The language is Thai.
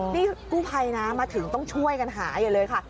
นี่กูไพนามาถึงต้องช่วยกันหาเดี๋ยวเลยค่ะ